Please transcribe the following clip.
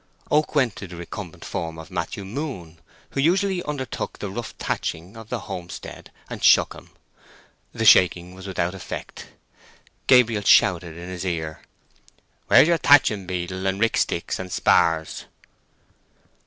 Oak went to the recumbent form of Matthew Moon, who usually undertook the rough thatching of the home stead, and shook him. The shaking was without effect. Gabriel shouted in his ear, "where's your thatching beetle and rick stick and spars?"